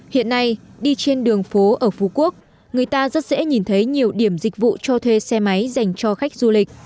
hiện nay đi trên đường phố ở phú quốc người ta rất dễ nhìn thấy nhiều điểm dịch vụ cho thuê xe máy dành cho khách du lịch